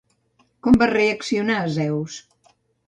Com va reaccionar Zeus?